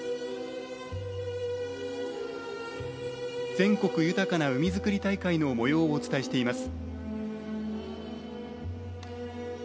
「全国豊かな海づくり大会」のもようをお伝えしています。